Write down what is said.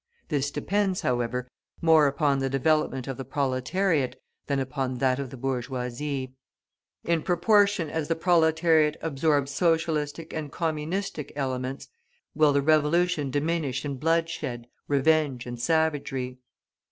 This depends, however, more upon the development of the proletariat than upon that of the bourgeoisie. In proportion, as the proletariat absorbs socialistic and communistic elements, will the revolution diminish in bloodshed, revenge, and savagery.